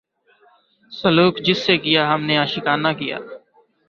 سلوک جس سے کیا ہم نے عاشقانہ کیا